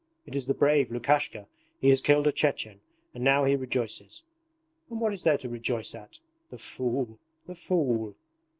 'It is the Brave, Lukashka. He has killed a Chechen and now he rejoices. And what is there to rejoice at? ... The fool, the fool!'